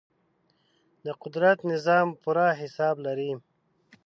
د قدرت نظام پوره حساب لري.